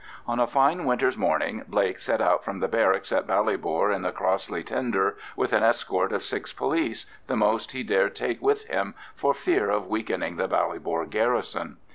On a fine winter's morning Blake set out from the barracks at Ballybor in the Crossley tender with an escort of six police, the most he dared take with him for fear of weakening the Ballybor garrison.